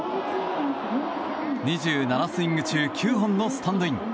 ２７スイング中９本をスタンドイン。